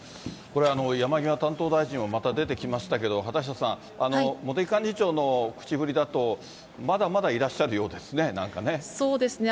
これ、山際担当大臣はまた出てきましたけど、畑下さん、茂木幹事長の口ぶりだと、まだまだいらっしゃるようですね、なんかね。